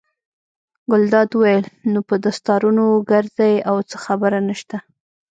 ګلداد وویل: نو په دستارونو ګرځئ او څه خبره نشته.